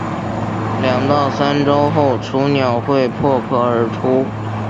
两到三周后雏鸟就会破壳而出。